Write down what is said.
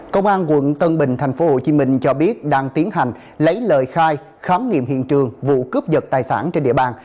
công an quận tân bình tp hcm cho biết đang tiến hành lấy lời khai khám nghiệm hiện trường vụ cướp giật tài sản trên địa bàn